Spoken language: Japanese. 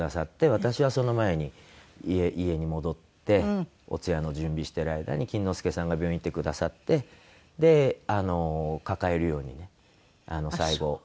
私はその前に家に戻ってお通夜の準備してる間に錦之介さんが病院行ってくださって抱えるようにね最後。